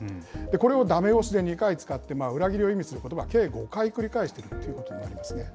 これをだめ押しで２回使って、裏切りを意味することばを計５回繰り返しているということになりますね。